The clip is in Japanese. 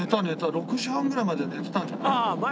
６時半ぐらいまで寝てたんじゃない？